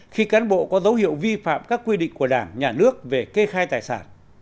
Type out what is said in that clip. khi cán bộ có dấu hiệu vi phạm các quy định của đảng nhà nước về kê khai tài sản